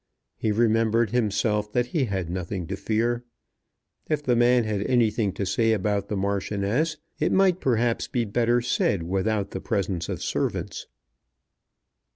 He remembered himself that he had nothing to fear. If the man had anything to say about the Marchioness it might perhaps be better said without the presence of servants.